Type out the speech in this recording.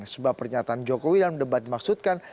sebab pernyataan jokowi dalam debat dimaksudkan